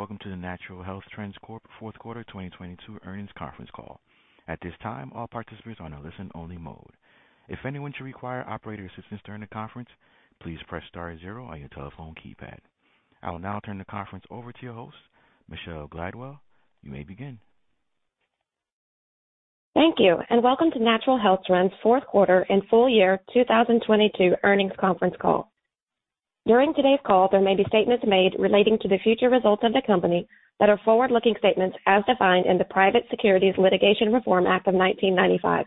Greetings. Welcome to the Natural Health Trends Corp fourth quarter 2022 earnings conference call. At this time, all participants are in a listen only mode. If anyone should require operator assistance during the conference, please press star zero on your telephone keypad. I will now turn the conference over to your host, Michelle Glidewell. You may begin. Thank you. Welcome to Natural Health Trends fourth quarter and full year 2022 earnings conference call. During today's call, there may be statements made relating to the future results of the company that are forward-looking statements as defined in the Private Securities Litigation Reform Act of 1995.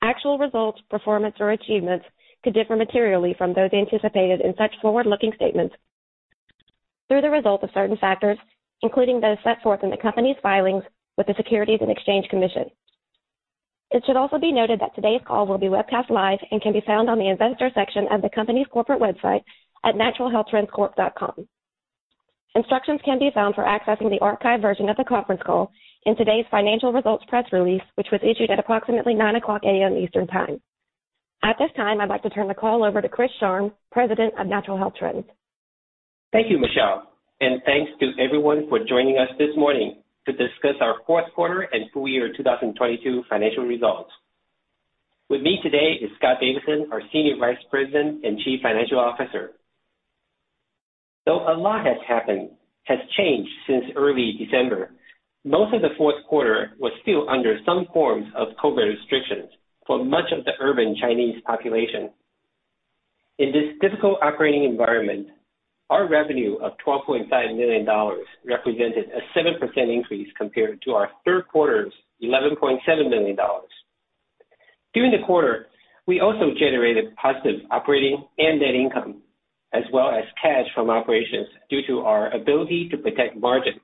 Actual results, performance, or achievements could differ materially from those anticipated in such forward-looking statements through the result of certain factors, including those set forth in the company's filings with the Securities and Exchange Commission. It should also be noted that today's call will be webcast live and can be found on the investor section of the company's corporate website at naturalhealthtrendscorp.com. Instructions can be found for accessing the archived version of the conference call in today's financial results press release, which was issued at approximately 9:00 A.M. Eastern Time. At this time, I'd like to turn the call over to Chris Sharng, President of Natural Health Trends. Thank you, Michelle, and thanks to everyone for joining us this morning to discuss our fourth quarter and full year 2022 financial results. With me today is Scott Davidson, our Senior Vice President and Chief Financial Officer. Though a lot has happened, has changed since early December, most of the fourth quarter was still under some forms of COVID restrictions for much of the urban Chinese population. In this difficult operating environment, our revenue of $12.5 million represented a 7% increase compared to our third quarter's $11.7 million. During the quarter, we also generated positive operating and net income, as well as cash from operations, due to our ability to protect margin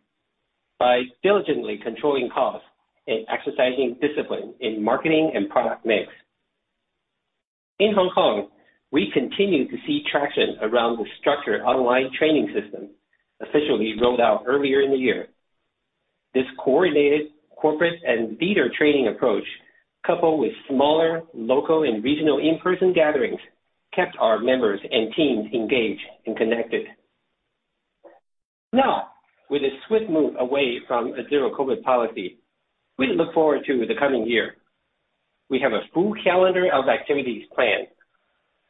by diligently controlling costs and exercising discipline in marketing and product mix. In Hong Kong, we continue to see traction around the structured online training system officially rolled out earlier in the year. This coordinated corporate and leader training approach, coupled with smaller local and regional in-person gatherings, kept our members and teams engaged and connected. Now, with a swift move away from a Zero COVID policy, we look forward to the coming year. We have a full calendar of activities planned,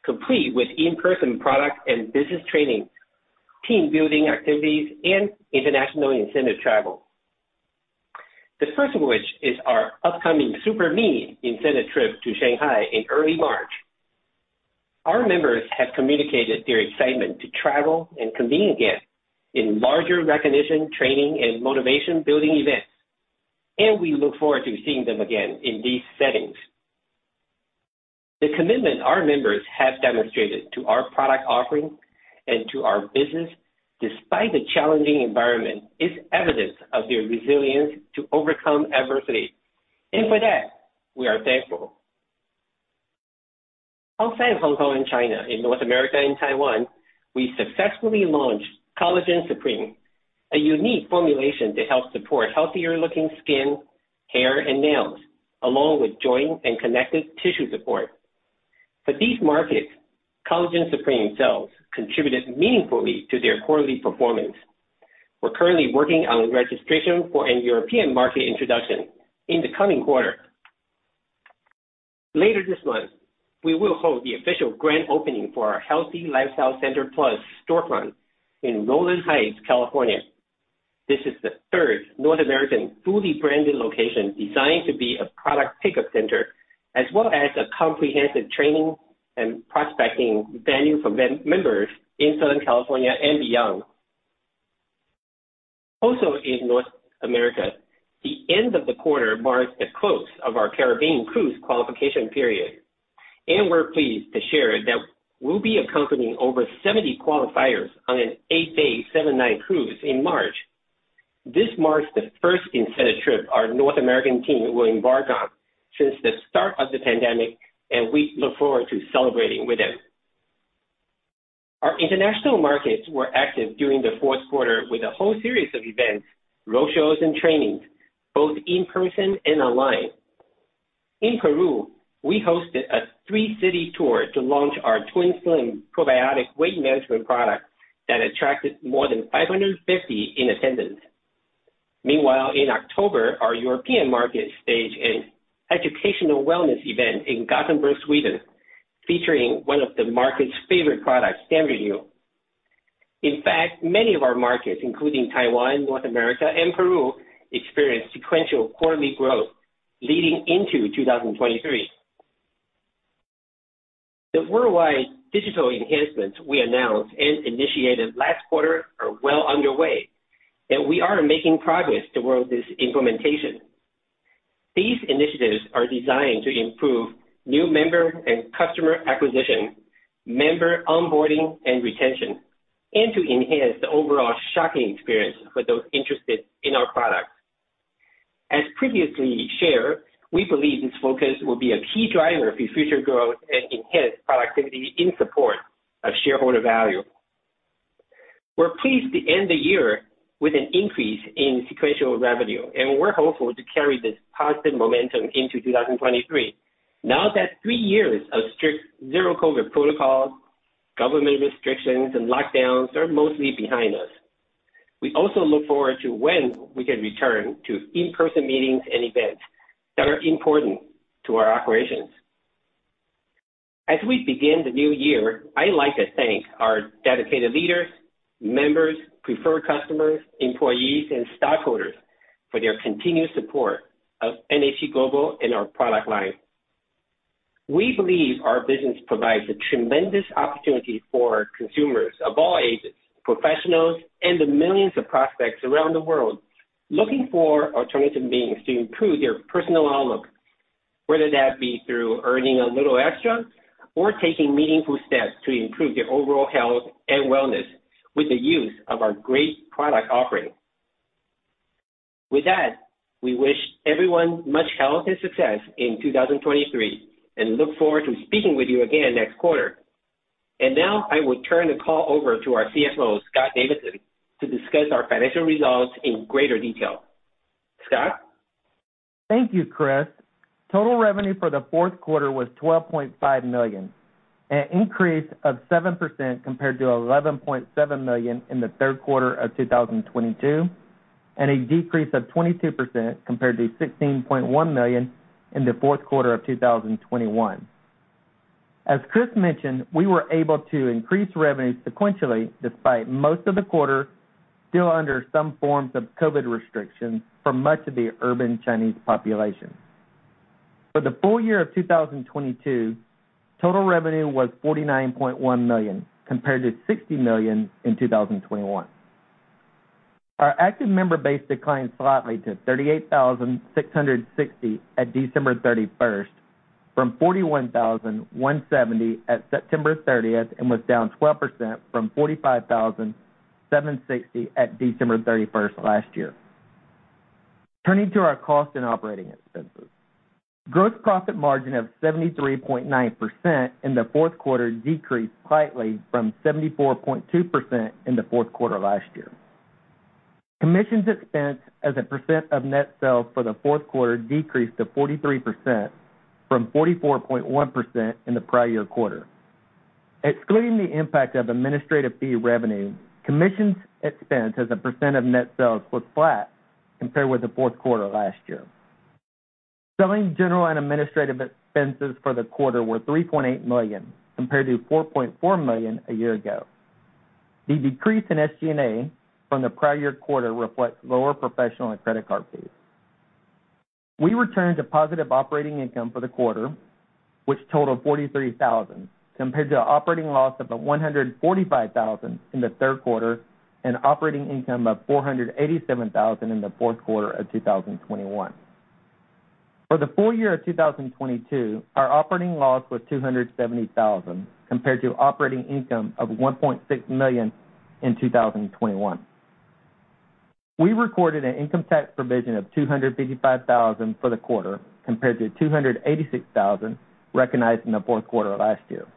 complete with in-person product and business trainings, team building activities, and international incentive travel. The first of which is our upcoming Super Me incentive trip to Shanghai in early March. Our members have communicated their excitement to travel and convene again in larger recognition, training, and motivation building events, and we look forward to seeing them again in these settings. The commitment our members have demonstrated to our product offering and to our business, despite the challenging environment, is evidence of their resilience to overcome adversity. For that, we are thankful. Outside Hong Kong and China, in North America and Taiwan, we successfully launched Collagen Supreme, a unique formulation to help support healthier-looking skin, hair, and nails, along with joint and connective tissue support. For these markets, Collagen Supreme sales contributed meaningfully to their quarterly performance. We're currently working on registration for a European market introduction in the coming quarter. Later this month, we will hold the official grand opening for our Healthy Lifestyle Center Plus storefront in Rowland Heights, California. This is the third North American fully branded location designed to be a product pickup center as well as a comprehensive training and prospecting venue for members in Southern California and beyond. In North America, the end of the quarter marks the close of our Caribbean cruise qualification period, and we're pleased to share that we'll be accompanying over 70 qualifiers on an eight-day, seven-night cruise in March. This marks the first incentive trip our North American team will embark on since the start of the pandemic, and we look forward to celebrating with them. Our international markets were active during the fourth quarter with a whole series of events, roadshows and trainings, both in person and online. In Peru, we hosted a three-city tour to launch our TwinSlim Probiotics probiotic weight management product that attracted more than 550 in attendance. In October, our European market staged an educational wellness event in Gothenburg, Sweden, featuring one of the market's favorite products, StemRenu. In fact, many of our markets, including Taiwan, North America, and Peru, experienced sequential quarterly growth leading into 2023. The worldwide digital enhancements we announced and initiated last quarter are well underway, and we are making progress towards its implementation. These initiatives are designed to improve new member and customer acquisition, member onboarding and retention, and to enhance the overall shopping experience for those interested in our products. As previously shared, we believe this focus will be a key driver for future growth and enhanced productivity in support of shareholder value. We're pleased to end the year with an increase in sequential revenue, and we're hopeful to carry this positive momentum into 2023. Now that three years of strict Zero COVID protocols, government restrictions, and lockdowns are mostly behind us, we also look forward to when we can return to in-person meetings and events that are important to our operations. As we begin the new year, I'd like to thank our dedicated leaders, members, preferred customers, employees and stockholders for their continued support of NHT Global and our product line. We believe our business provides a tremendous opportunity for consumers of all ages, professionals and the millions of prospects around the world looking for alternative means to improve their personal outlook, whether that be through earning a little extra or taking meaningful steps to improve their overall health and wellness with the use of our great product offering. With that, we wish everyone much health and success in 2023 and look forward to speaking with you again next quarter. Now I will turn the call over to our CFO, Scott Davidson, to discuss our financial results in greater detail. Scott? Thank you, Chris. Total revenue for the fourth quarter was $12.5 million, an increase of 7% compared to $11.7 million in the third quarter of 2022, and a decrease of 22% compared to $16.1 million in the fourth quarter of 2021. As Chris mentioned, we were able to increase revenue sequentially despite most of the quarter still under some forms of COVID restrictions for much of the urban Chinese population. For the full year of 2022, total revenue was $49.1 million, compared to $60 million in 2021. Our active member base declined slightly to 38,660 at December 31st, from 41,170 at September 30th, and was down 12% from 45,760 at December 31st last year. Turning to our cost and operating expenses. Gross profit margin of 73.9% in the fourth quarter decreased slightly from 74.2% in the fourth quarter last year. Commissions expense as a % of net sales for the fourth quarter decreased to 43% from 44.1% in the prior year quarter. Excluding the impact of administrative fee revenue, commissions expense as a % of net sales was flat compared with the fourth quarter last year. Selling, general and administrative expenses for the quarter were $3.8 million, compared to $4.4 million a year ago. The decrease in SG&A from the prior year quarter reflects lower professional and credit card fees. We returned to positive operating income for the quarter, which totaled $43,000, compared to operating loss of $145,000 in the third quarter and operating income of $487,000 in the fourth quarter of 2021. For the full year of 2022, our operating loss was $270,000, compared to operating income of $1.6 million in 2021. We recorded an income tax provision of $255,000 for the quarter, compared to $286,000 recognized in the fourth quarter last year.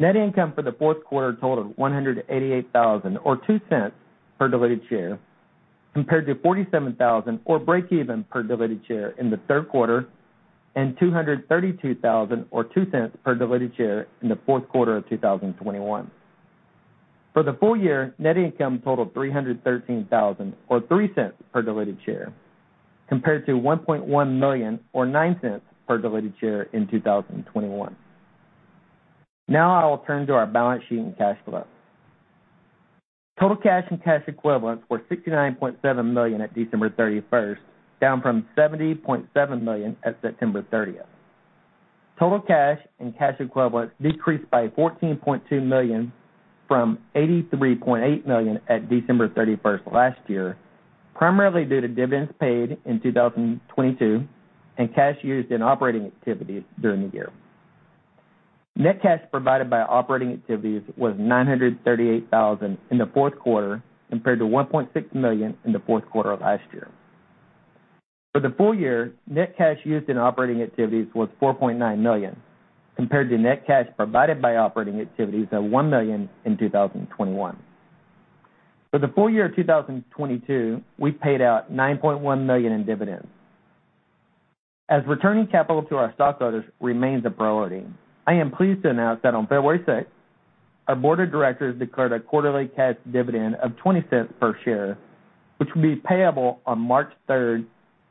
Net income for the fourth quarter totaled $188,000 or $0.02 per diluted share, compared to $47,000 or breakeven per diluted share in the third quarter and $232,000 or $0.02 per diluted share in the fourth quarter of 2021. For the full year, net income totaled $313,000 or $0.03 per diluted share, compared to $1.1 million or $0.09 per diluted share in 2021. Now I will turn to our balance sheet and cash flow. Total cash and cash equivalents were $69.7 million at December thirty-first, down from $70.7 million at September thirtieth. Total cash and cash equivalents decreased by $14.2 million from $83.8 million at December 31st last year, primarily due to dividends paid in 2022 and cash used in operating activities during the year. Net cash provided by operating activities was $938,000 in the fourth quarter, compared to $1.6 million in the fourth quarter of last year. For the full year, net cash used in operating activities was $4.9 million, compared to net cash provided by operating activities of $1 million in 2021. For the full year of 2022, we paid out $9.1 million in dividends. As returning capital to our stockholders remains a priority, I am pleased to announce that on February 6th, our board of directors declared a quarterly cash dividend of $0.20 per share, which will be payable on March 3rd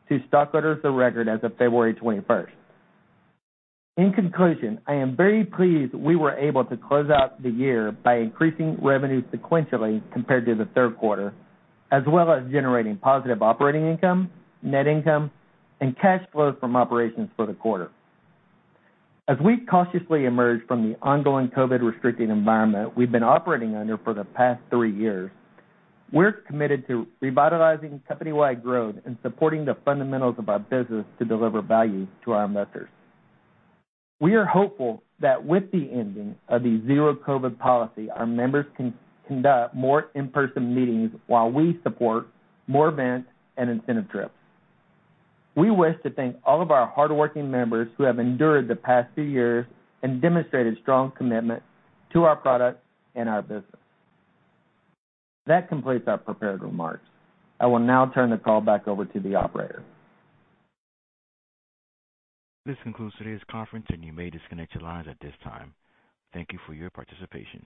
to stockholders of the record as of February 21st. In conclusion, I am very pleased we were able to close out the year by increasing revenue sequentially compared to the third quarter, as well as generating positive operating income, net income and cash flow from operations for the quarter. As we cautiously emerge from the ongoing COVID-restricting environment we've been operating under for the past three years, we're committed to revitalizing company-wide growth and supporting the fundamentals of our business to deliver value to our investors. We are hopeful that with the ending of the Zero COVID policy, our members can conduct more in-person meetings while we support more events and incentive trips. We wish to thank all of our hardworking members who have endured the past few years and demonstrated strong commitment to our products and our business. That completes our prepared remarks. I will now turn the call back over to the operator. This concludes today's conference and you may disconnect your lines at this time. Thank you for your participation.